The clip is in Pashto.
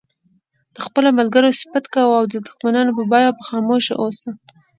د خپلو ملګرو صفت کوه او د دښمنانو په باب خاموش اوسه.